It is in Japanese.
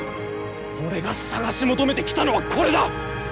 俺が探し求めてきたのはこれだ！